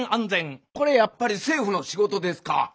これやっぱり政府の仕事ですか？